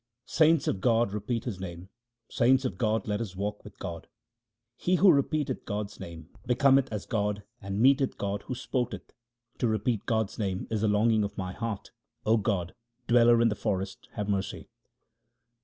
Saints of God, repeat His name ; saints of God, let us walk with God. He who repeateth God's name becometh as God, and meeteth God who sporteth. To repeat God's name is the longing of my heart : O God, Dweller in the forest, have mercy.